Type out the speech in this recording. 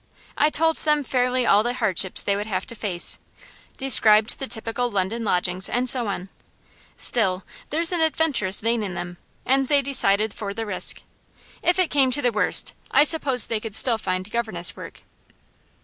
I told them fairly all the hardships they would have to face described the typical London lodgings, and so on. Still, there's an adventurous vein in them, and they decided for the risk. If it came to the worst I suppose they could still find governess work.